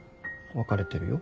別れてるよ。